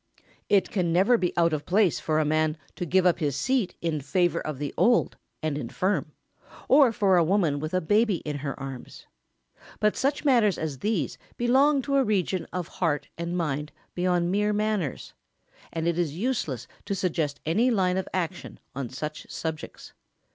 It can never be out of place for a man to give up his seat in favour of the old and infirm, or for a woman with a baby in her arms. [Sidenote: Higher laws than etiquette.] But such matters as these belong to a region of heart and mind beyond mere manners, and it is useless to suggest any line of action on such subjects.